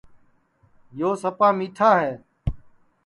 یو سپا مِیٹھا ہے